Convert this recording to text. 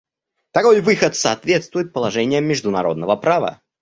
Такой выход соответствует положениям международного права.